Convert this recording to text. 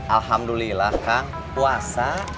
alhamdulillah kang puasa